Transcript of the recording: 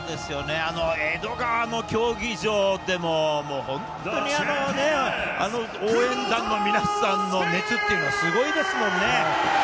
江戸川の競技場でも本当にね、応援団の皆さんの熱というのはすごいですもんね。